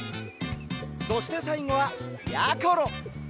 そしてさいごはやころ！